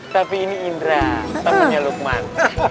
tapi ini indra temannya lukman